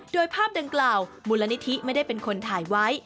โดยภาพดังกล่าวมูลนิธิไม่ได้เป็นคนถ่ายไว้